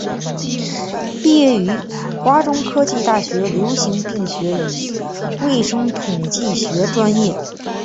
毕业于华中科技大学流行病学与卫生统计学专业。